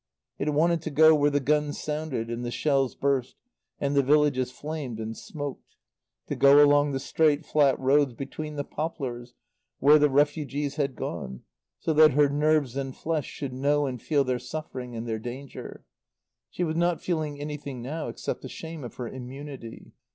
It wanted to go where the guns sounded and the shells burst, and the villages flamed and smoked; to go along the straight, flat roads between the poplars where the refugees had gone, so that her nerves and flesh should know and feel their suffering and their danger. She was not feeling anything now except the shame of her immunity.